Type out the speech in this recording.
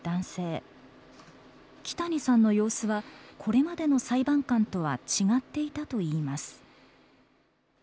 木谷さんの様子はこれまでの裁判官とは違っていたといいます。